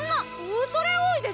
おそれ多いです！